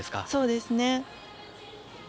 そうですね。